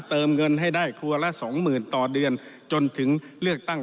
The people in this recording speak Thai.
เติมเงินให้ได้ครัวละสองหมื่นต่อเดือนจนถึงเลือกตั้ง